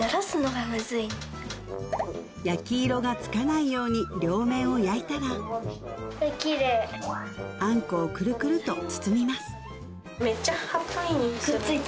焼き色がつかないように両面を焼いたらあんこをくるくると包みます